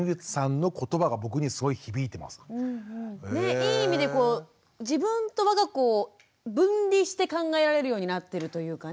いい意味でこう自分と我が子を分離して考えられるようになってるというかね。